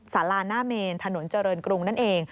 สาราหน้าเมนถนนเจริญกรุงนั่นเอง